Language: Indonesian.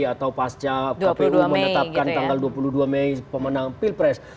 atau pasca kpu menetapkan tanggal dua puluh dua mei pemenang pilpres